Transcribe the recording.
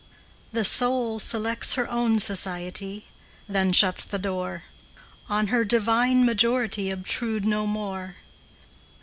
The soul selects her own society, Then shuts the door; On her divine majority Obtrude no more.